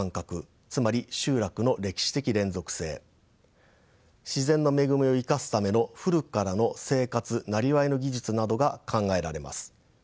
つまり集落の歴史的連続性自然の恵みを生かすための古くからの生活なりわいの技術などが考えられます。